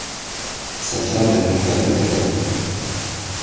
Sa femme l’accompagne au Canada.